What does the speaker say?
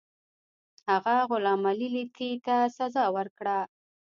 هغه غلام علي لیتي ته سزا ورکړه.